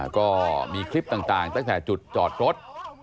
ก็มีคลิปต่างตั้งแต่จุดจอดรถ